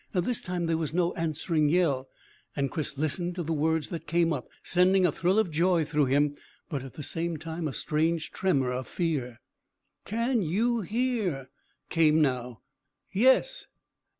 This time there was no answering yell, and Chris listened to the words that came up, sending a thrill of joy through him, but at the same time a strange tremor of fear. "Can you hear?" came now. "Yes."